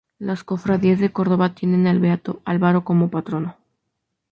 Las cofradías de Córdoba tienen al Beato Álvaro como Patrono